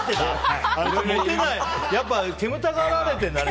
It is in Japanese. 煙たがられてるんだね。